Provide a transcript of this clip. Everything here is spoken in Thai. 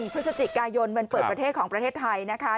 พฤศจิกายนวันเปิดประเทศของประเทศไทยนะคะ